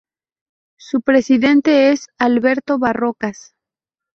Su presidente es Alberto Barrocas.